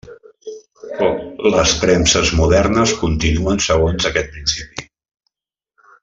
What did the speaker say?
Les premses modernes continuen segons aquest principi.